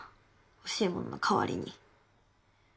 欲しいものの代わりに。